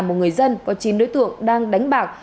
một người dân có chín đối tượng đang đánh bạc